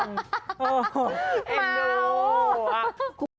เอ็นดู